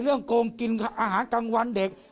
เรื่องโกงกินอาหารกลางวันเด็ก